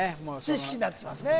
知識になってきますね